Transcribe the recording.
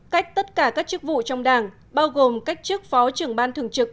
cách tất cả các chức vụ trong đảng bao gồm cách chức phó trưởng ban thường trực